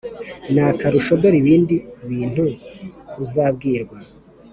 N akarusho dore ibindi bintu uzabwirwa